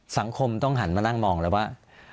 สังคมต้องหันมานั่งมองแล้วว่า